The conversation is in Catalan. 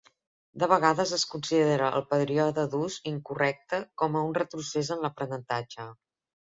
De vegades es considera el període d'ús incorrecte com a un retrocés en l'aprenentatge.